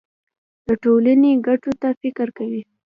د ټولنې ګټو ته فکر کوي.